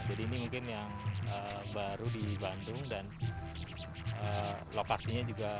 jadi ini mungkin yang baru di bandung dan lokasinya juga